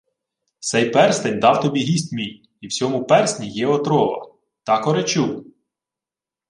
— Сей перстень дав тобі гість мій. І в сьому персні є отрова. Тако речу?